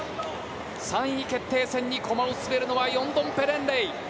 ３位決定戦に駒を進めるのはヨンドンペレンレイ。